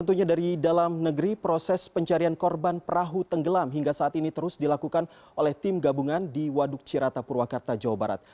tentunya dari dalam negeri proses pencarian korban perahu tenggelam hingga saat ini terus dilakukan oleh tim gabungan di waduk cirata purwakarta jawa barat